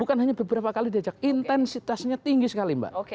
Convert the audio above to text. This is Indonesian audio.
bukan hanya beberapa kali diajak intensitasnya tinggi sekali mbak